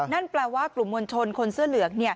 นั่นแปลว่ากลุ่มมวลชนคนเสื้อเหลืองเนี่ย